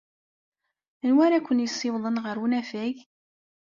Anwa ara ken-yessiwḍen ɣer unafag?